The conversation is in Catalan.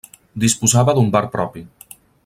Disposava d'un bar propi.